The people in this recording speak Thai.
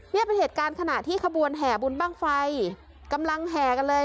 นี่เป็นเหตุการณ์ขณะที่ขบวนแห่บุญบ้างไฟกำลังแห่กันเลย